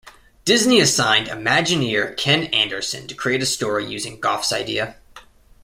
Disney assigned Imagineer Ken Anderson to create a story using Goff's idea.